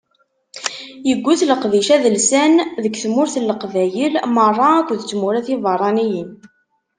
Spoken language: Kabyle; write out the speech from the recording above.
Yuget leqdic adelsan deg tmurt n leqbayel merra akked tmura tiberraniyin.